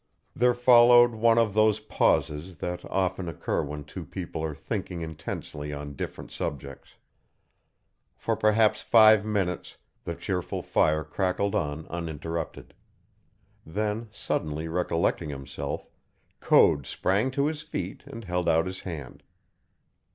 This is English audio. There followed one of those pauses that often occur when two people are thinking intensely on different subjects. For perhaps five minutes the cheerful fire crackled on uninterrupted. Then, suddenly recollecting himself, Code sprang to his feet and held out his hand.